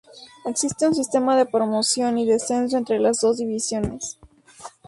Existe un sistema de promoción y descenso entre las dos divisiones.